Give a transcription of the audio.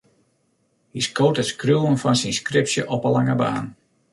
Hy skoot it skriuwen fan syn skripsje op 'e lange baan.